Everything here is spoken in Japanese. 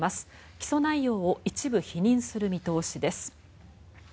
起訴内容を一部否認する見通しです。